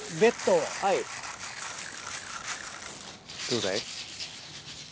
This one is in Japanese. どうだい？